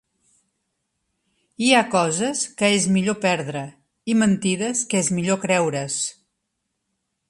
Hi ha coses que és millor perdre i mentides que és millor creure's.